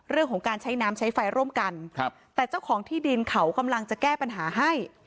เรื่องของการใช้น้ำใช้ไฟร่วมกันครับแต่เจ้าของที่ดินเขากำลังจะแก้ปัญหาให้